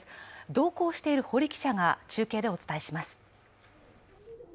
同行している堀記者が中継でお伝えします。